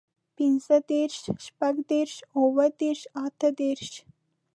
پينځهدېرش، شپږدېرش، اووهدېرش، اتهدېرش